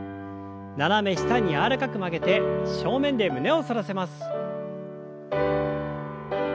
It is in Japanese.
斜め下に柔らかく曲げて正面で胸を反らせます。